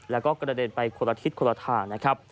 แล้วก็กระเด็นไปครับละทิศครับ